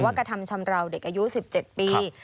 ว่ากระทำชำราวเด็กอายุสิบเจ็ดปีครับ